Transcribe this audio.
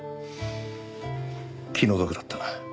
気の毒だったな。